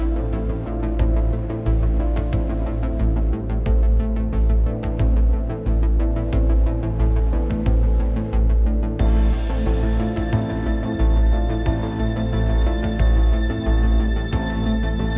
ก็ไม่มีอะไรไม่มีอะไรไม่มีอะไร